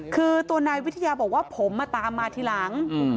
คือตัวนายวิทยาบอกว่าผมมาตามมาทีหลัง